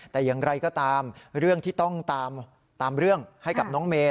แต่อย่างไรก็ตามเรื่องที่ต้องตามเรื่องให้กับน้องเมย์